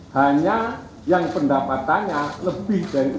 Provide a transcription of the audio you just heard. hanya yang pendapatannya lebih dari upah minimum